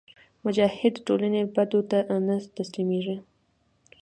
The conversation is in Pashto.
مجاهد د ټولنې بدو ته نه تسلیمیږي.